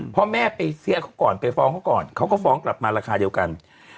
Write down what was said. เพราะแม่ไปเสียเขาก่อนเขาก็ฟ้องกลับมาราคาเดียวกัน